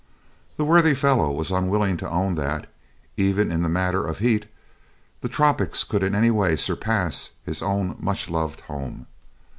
The worthy fellow was unwilling to own that, even in the matter of heat, the tropics could in any way surpass his own much loved home.